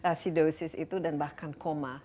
asidosis itu dan bahkan koma